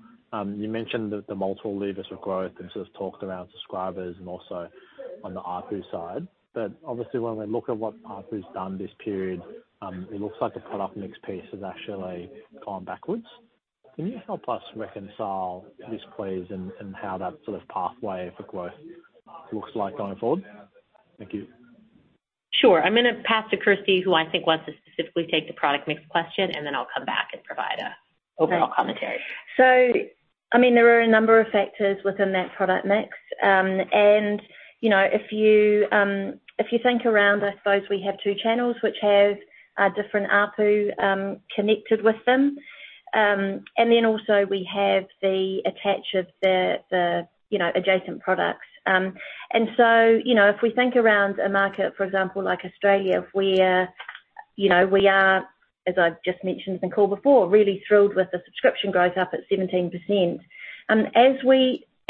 you mentioned the multiple levers for growth, and sort of talked around subscribers and also on the ARPU side. Obviously when we look at what ARPU's done this period, it looks like the product mix piece has actually gone backwards. Can you help us reconcile this, please, and how that sort of pathway for growth looks like going forward? Thank you. Sure. I'm gonna pass to Kirsty, who I think wants to specifically take the product mix question, and then I'll come back and provide. Great overall commentary. I mean, there are a number of factors within that product mix. You know, if you, if you think around, I suppose we have two channels which have different ARPU connected with them. Also we have the attach of the, you know, adjacent products. You know, if we think around a market, for example, like Australia, where, you know, we are, as I've just mentioned in the call before, really thrilled with the subscription growth up at 17%.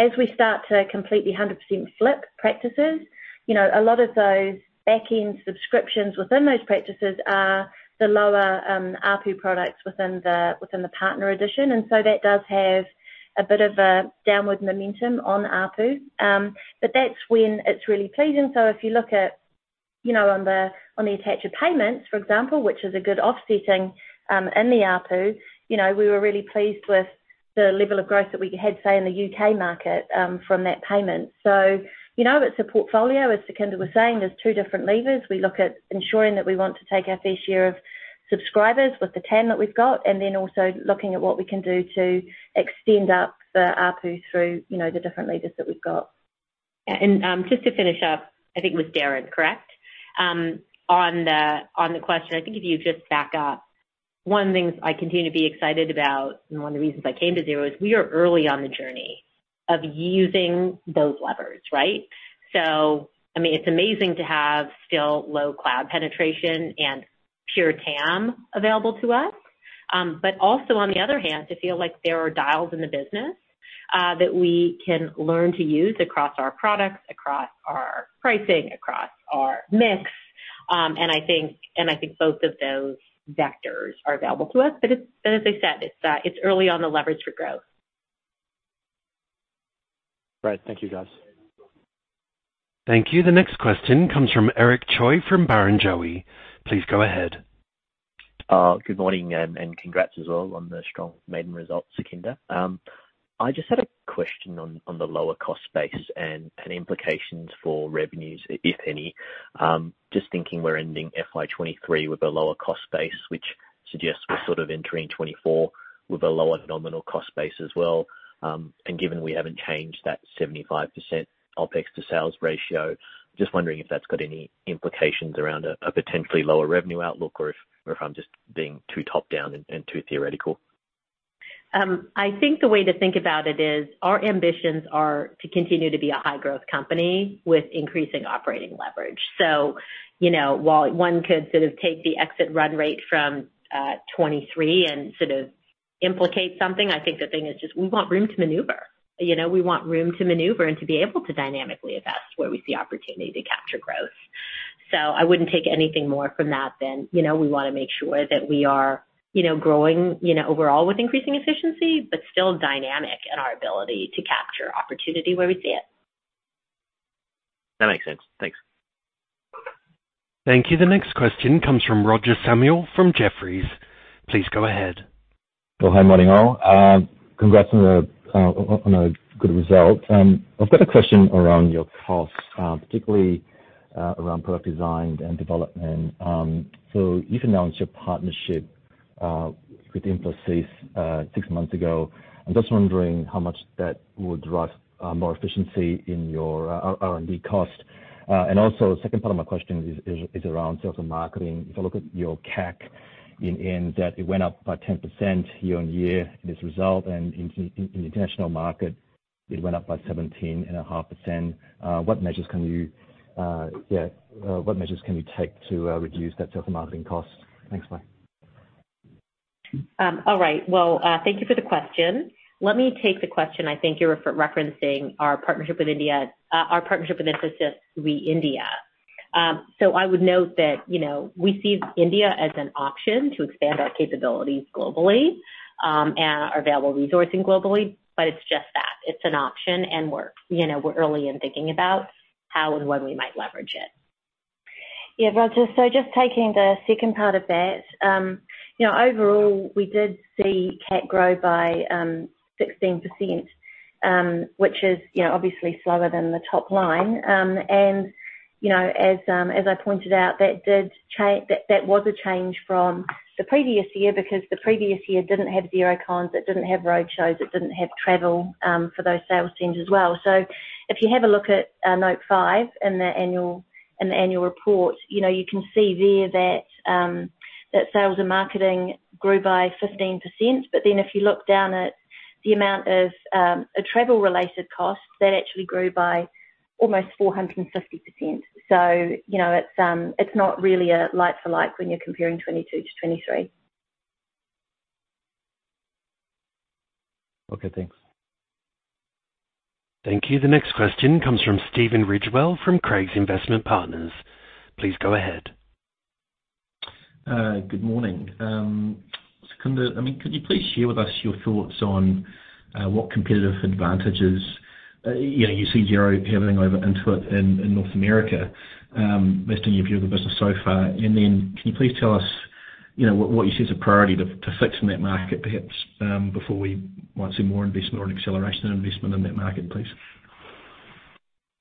As we start to completely 100% flip practices, you know, a lot of those back-end subscriptions within those practices are the lower, ARPU products within the, within the Partner Edition. That does have a bit of a downward momentum on ARPU. That's when it's really pleasing. If you look at, you know, on the attach of payments, for example, which is a good offsetting, in the ARPU, you know, we were really pleased with the level of growth that we had, say, in the UK market, from that payment. You know, it's a portfolio, as Sukhinder was saying. There's two different levers. We look at ensuring that we want to take our fair share of Subscribers with the 10 that we've got, and then also looking at what we can do to extend up the ARPU through, you know, the different leaders that we've got. Yeah. Just to finish up, I think with Darren, correct? On the question, I think if you just back up. One of the things I continue to be excited about and one of the reasons I came to Xero is we are early on the journey of using those levers, right? I mean, it's amazing to have still low cloud penetration and pure TAM available to us. Also on the other hand, to feel like there are dials in the business that we can learn to use across our products, across our pricing, across our mix. I think both of those vectors are available to us. As I said, it's early on the leverage for growth. Right. Thank you, guys. Thank you. The next question comes from Eric Choi from Barrenjoey. Please go ahead. Good morning and congrats as well on the strong maiden results, Sukhinder. I just had a question on the lower cost base and implications for revenues, if any. Just thinking we're ending FY2023 with a lower cost base, which suggests we're sort of entering 2024 with a lower nominal cost base as well. Given we haven't changed that 75% OpEx to sales ratio, just wondering if that's got any implications around a potentially lower revenue outlook or if I'm just being too top-down and too theoretical? I think the way to think about it is our ambitions are to continue to be a high-growth company with increasing operating leverage. You know, while one could sort of take the exit run rate from 2023 and sort of implicate something, I think the thing is just we want room to maneuver. You know, we want room to maneuver and to be able to dynamically invest where we see opportunity to capture growth. I wouldn't take anything more from that than, you know, we wanna make sure that we are, you know, growing, you know, overall with increasing efficiency, but still dynamic in our ability to capture opportunity where we see it. That makes sense. Thanks. Thank you. The next question comes from Roger Samuel from Jefferies. Please go ahead. Hi, morning all. Congrats on a good result. I've got a question around your costs, particularly around product design and development. You've announced your partnership with Infosys six months ago. I'm just wondering how much that would drive more efficiency in your R&D cost. Also the second part of my question is around sales and marketing. If I look at your CAC in that it went up by 10% year-on-year in this result, and in international market it went up by 17.5%. What measures can you take to reduce that sales and marketing cost? Thanks. Bye. All right. Well, thank you for the question. Let me take the question. I think you're referencing our partnership with Infosys re India. I would note that, you know, we see India as an option to expand our capabilities globally and our available resourcing globally. It's just that, it's an option, and we're, you know, we're early in thinking about how and when we might leverage it. Roger, just taking the second part of that. You know, overall, we did see CAC grow by 16%, which is, you know, obviously slower than the top line. You know, as I pointed out, that was a change from the previous year because the previous year didn't have Xerocons, it didn't have roadshows, it didn't have travel for those sales teams as well. If you have a look at note five in the annual report, you know, you can see there that sales and marketing grew by 15%. If you look down at the amount of travel-related costs, that actually grew by almost 450%. You know, it's not really a like-for-like when you're comparing 2022 to 2023. Okay, thanks. Thank you. The next question comes from Stephen Ridgewell from Craigs Investment Partners. Please go ahead. Good morning. Sukhinder, I mean, could you please share with us your thoughts on what competitive advantages, you know, you see Xero having over Intuit in North America, based on your view of the business so far? Can you please tell us, you know, what you see as a priority to fix in that market, perhaps, before we want to see more investment or an acceleration of investment in that market, please?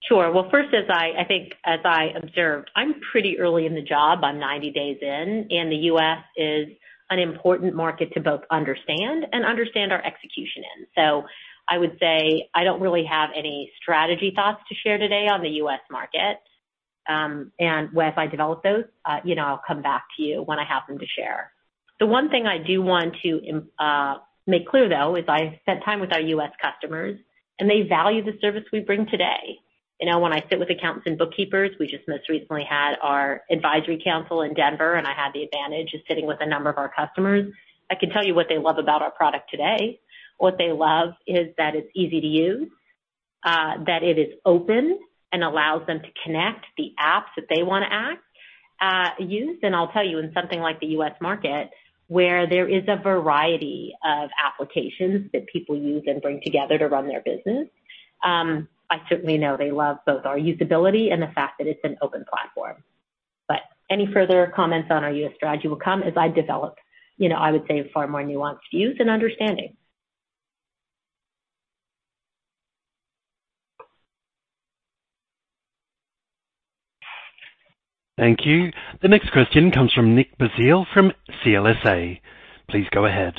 Sure. Well, first, as I think as I observed, I'm pretty early in the job. I'm 90 days in, and the U.S. is an important market to both understand and understand our execution in. I would say I don't really have any strategy thoughts to share today on the U.S. market. When I develop those, you know, I'll come back to you when I have them to share. The one thing I do want to make clear though is I spent time with our U.S. customers, and they value the service we bring today. You know, when I sit with accountants and bookkeepers, we just most recently had our advisory council in Denver, and I had the advantage of sitting with a number of our customers. I can tell you what they love about our product today. What they love is that it's easy to use, that it is open and allows them to connect the apps that they wanna use. I'll tell you, in something like the U.S. market, where there is a variety of applications that people use and bring together to run their business, I certainly know they love both our usability and the fact that it's an open platform. Any further comments on our U.S. strategy will come as I develop, you know, I would say a far more nuanced view than understanding. Thank you. The next question comes from Nick Basile from CLSA. Please go ahead.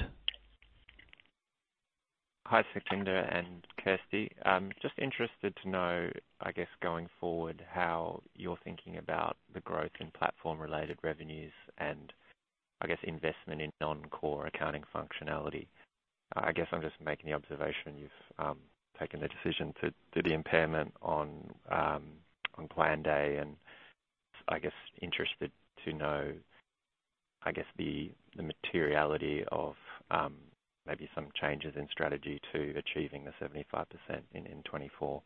Hi, Sukhinder and Kirsty. just interested to know, I guess, going forward, how you're thinking about the growth in platform-related revenues and I guess investment in non-core accounting functionality. I guess I'm just making the observation you've, taken the decision to the impairment on Planday, and I guess interested to know, I guess the materiality of, maybe some changes in strategy to achieving the 75% in 2024?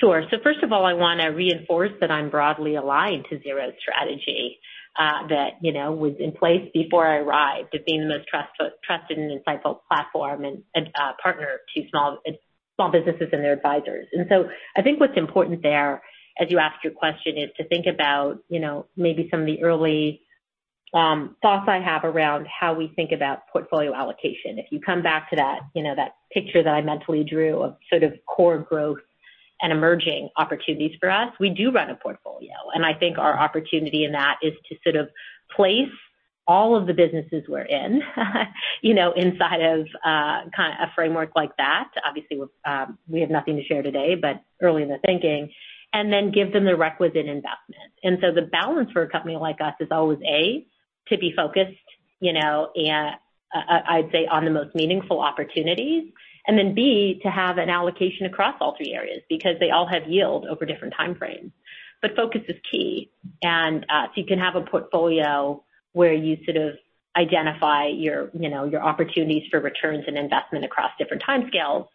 Sure. First of all, I wanna reinforce that I'm broadly aligned to Xero's strategy, that, you know, was in place before I arrived, of being the most trusted and insightful platform and partner to small businesses and their advisors. I think what's important there, as you asked your question, is to think about, you know, maybe some of the early thoughts I have around how we think about portfolio allocation. If you come back to that, you know, that picture that I mentally drew of sort of core growth and emerging opportunities for us, we do run a portfolio, and I think our opportunity in that is to sort of place all of the businesses we're in, you know, inside of, kinda a framework like that. Obviously, we have nothing to share today, but early in the thinking, and then give them the requisite investment. The balance for a company like us is always, A, to be focused, you know, I'd say on the most meaningful opportunities. Then, B, to have an allocation across all three areas because they all have yield over different timeframes. Focus is key. You can have a portfolio where you sort of identify your, you know, your opportunities for returns and investment across different timescales,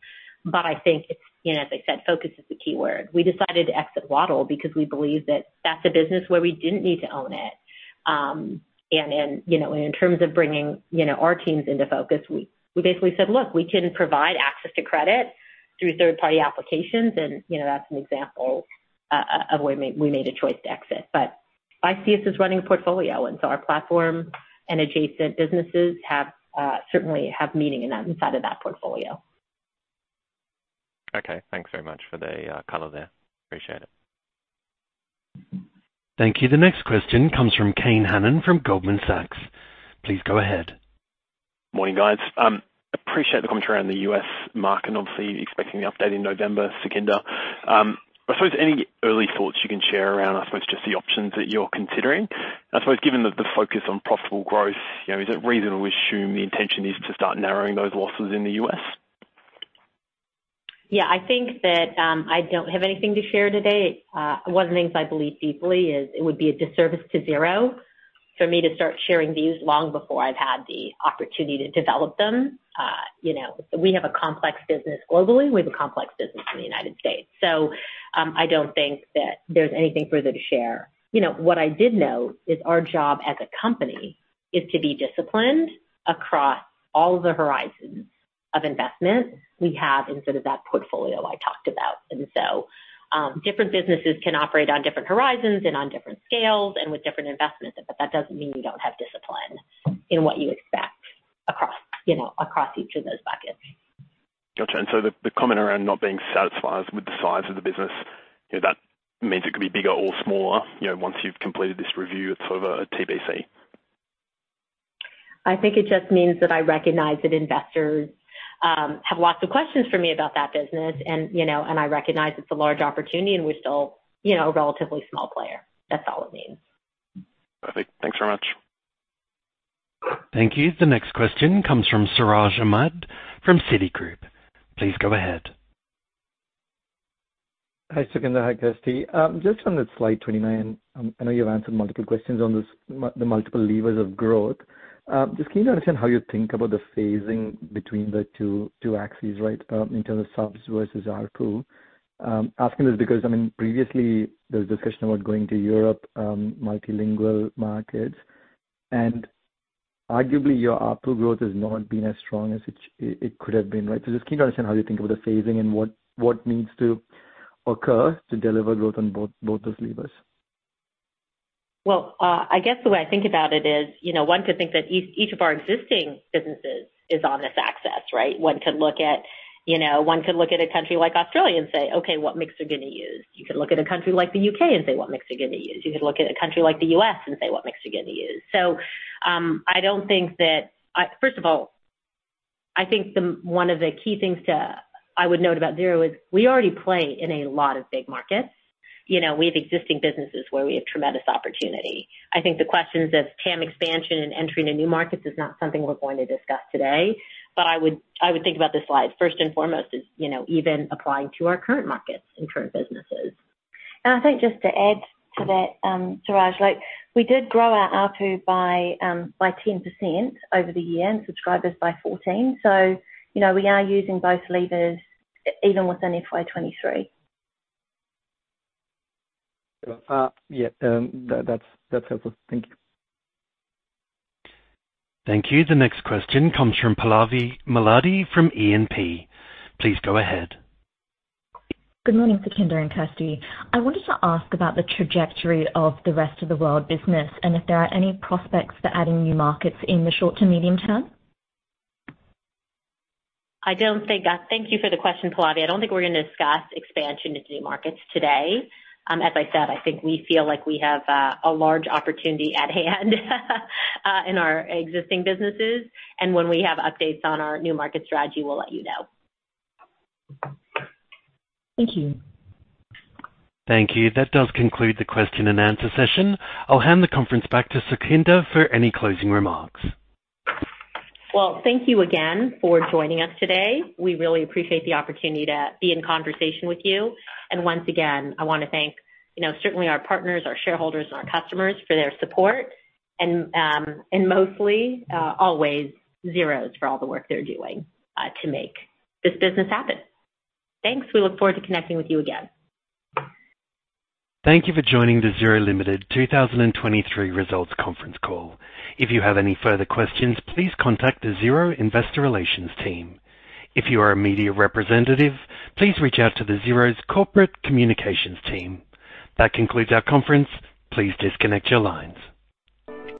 but I think it's, you know, as I said, focus is the key word. We decided to exit Waddle because we believe that that's a business where we didn't need to own it. You know, in terms of bringing, you know, our teams into focus, we basically said, "Look, we can provide access to credit through third-party applications," and, you know, that's an example of where we made a choice to exit. I see us as running a portfolio, and so our platform and adjacent businesses have certainly have meaning in that inside of that portfolio. Okay. Thanks very much for the color there. Appreciate it. Thank you. The next question comes from Kane Hannan from Goldman Sachs. Please go ahead. Morning, guys. Appreciate the commentary on the U.S. market, obviously expecting the update in November, Sukhinder. I suppose any early thoughts you can share around, I suppose, just the options that you're considering? I suppose given the focus on profitable growth, you know, is it reasonable to assume the intention is to start narrowing those losses in the U.S.? Yeah, I think that, I don't have anything to share today. One of the things I believe deeply is it would be a disservice to Xero for me to start sharing views long before I've had the opportunity to develop them. You know, we have a complex business globally. We have a complex business in the United States. I don't think that there's anything further to share. You know, what I did know is our job as a company is to be disciplined across all the horizons of investment we have in sort of that portfolio I talked about. Different businesses can operate on different horizons and on different scales and with different investments, but that doesn't mean we don't have discipline in what you expect across, you know, across each of those buckets. Gotcha. The, the comment around not being satisfied with the size of the business, you know, that means it could be bigger or smaller, you know, once you've completed this review, it's sort of a TBC? I think it just means that I recognize that investors have lots of questions for me about that business, and, you know, and I recognize it's a large opportunity, and we're still, you know, a relatively small player. That's all it means. Perfect. Thanks very much. Thank you. The next question comes from Siraj Ahmed from Citigroup. Please go ahead. Hi, Sukhinder. Hi, Kirsty. Just on the slide 29, I know you've answered multiple questions on this, the multiple levers of growth. Just can you understand how you think about the phasing between the two axes, right? In terms of subs versus ARPU. Asking this because, I mean, previously there was discussion about going to Europe, multilingual markets, and arguably your ARPU growth has not been as strong as it could have been, right? Just keen to understand how you think about the phasing and what needs to occur to deliver growth on both those levers. Well, I guess the way I think about it is, you know, one could think that each of our existing businesses is on this axis, right? One could look at, you know, one could look at a country like Australia and say, "Okay, what mix are gonna use?" You could look at a country like the UK and say, "What mix are gonna use?" You could look at a country like the U.S. and say, "What mix are gonna use?" I don't think that. First of all, I think one of the key things to I would note about Xero is we already play in a lot of big markets. You know, we have existing businesses where we have tremendous opportunity. I think the questions of TAM expansion and entering the new markets is not something we're going to discuss today, but I would think about the slide first and foremost as, you know, even applying to our current markets and current businesses. I think just to add to that, Siraj, like we did grow our ARPU by 10% over the year and subscribers by 14, so, you know, we are using both levers even within FY2023. Yeah. That's helpful. Thank you. Thank you. The next question comes from Pallavi Malladi from E&P. Please go ahead. Good morning, Sukhinder and Kirsty. I wanted to ask about the trajectory of the rest of the world business and if there are any prospects for adding new markets in the short to medium term? Thank you for the question, Pallavi. I don't think we're going to discuss expansion into new markets today. As I said, I think we feel like we have a large opportunity at hand in our existing businesses. When we have updates on our new market strategy, we'll let you know. Thank you. Thank you. That does conclude the question and answer session. I'll hand the conference back to Sukhinder for any closing remarks. Well, thank you again for joining us today. We really appreciate the opportunity to be in conversation with you. Once again, I wanna thank, you know, certainly our partners, our shareholders, and our customers for their support. Mostly, always Xero's for all the work they're doing to make this business happen. Thanks. We look forward to connecting with you again. Thank you for joining the Xero Limited 2023 Results Conference Call. If you have any further questions, please contact the Xero Investor Relations team. If you are a media representative, please reach out to the Xero's Corporate Communications team. That concludes our conference. Please disconnect your lines.